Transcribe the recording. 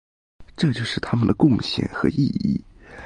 这就是他们的贡献和意义。